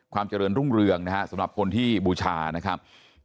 ความเจริญรุ่งเรืองนะฮะสำหรับคนที่บูชานะครับ